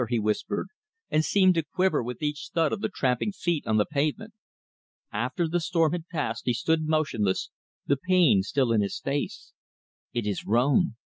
he whispered, and seemed to quiver with each thud of the tramping feet on the pavement. After the storm had passed, he stood motionless, the pain still in his face "It is Rome!